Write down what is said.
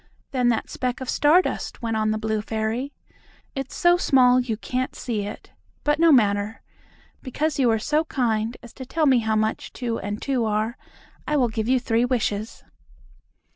"Than that speck of star dust," went on the blue fairy. "It's so small you can't see it. But no matter. Because you were so kind as to tell me how much two and two are, I will give you three wishes."